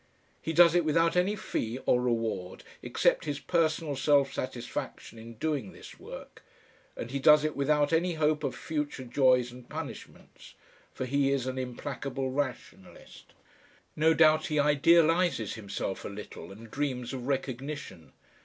He does it without any fee or reward except his personal self satisfaction in doing this work, and he does it without any hope of future joys and punishments, for he is an implacable Rationalist. No doubt he idealises himself a little, and dreams of recognition.